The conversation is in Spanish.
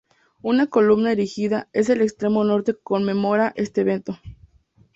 Una columna erigida en el extremo norte conmemora este evento.